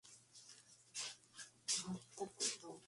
Poemas de Navidad".